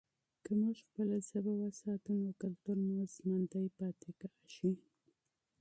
که موږ خپله ژبه وساتو نو کلتور مو ژوندی پاتې کېږي.